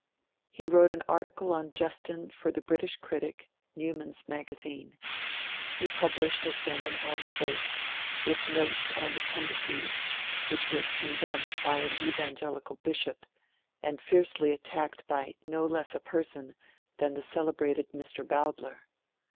He wrote an article on Justin for the British Critic, "Newman's Magazine". He published a sermon on Faith, with notes and appendices, which was condemned by an evangelical bishop, and fiercely attacked by no less a person than the celebrated Mr. Bowdler.